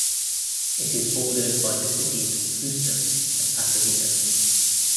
It is bordered by the cities of Houston and Pasadena.